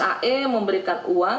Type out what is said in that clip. dan sae memberikan uang